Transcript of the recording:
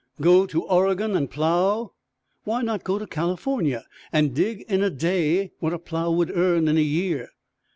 Go to Oregon and plow? Why not go to California and dig in a day what a plow would earn in a year?